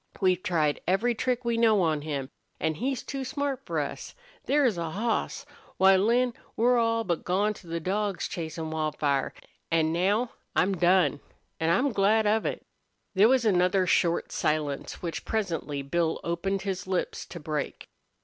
We've tried every trick we know on him. An' he's too smart for us. There's a hoss! Why, Lin, we're all but gone to the dogs chasin' Wildfire. An' now I'm done, an' I'm glad of it." There was another short silence, which presently Bill opened his lips to break.